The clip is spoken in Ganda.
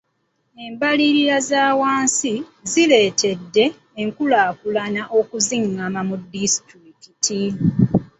Embalirira za wansi zireetedde enkulaakulana okuzingama mu disitulikiti.